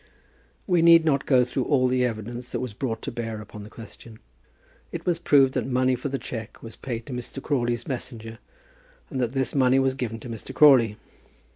We need not go through all the evidence that was brought to bear upon the question. It was proved that money for the cheque was paid to Mr. Crawley's messenger, and that this money was given to Mr. Crawley.